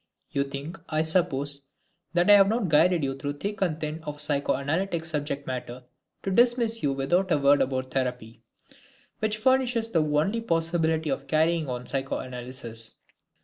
You think, I suppose, that I have not guided you through thick and thin of psychoanalytic subject matter to dismiss you without a word about therapy, which furnishes the only possibility of carrying on psychoanalysis.